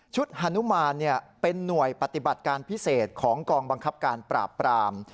ฮานุมานเป็นหน่วยปฏิบัติการพิเศษของกองบังคับการปราบปราม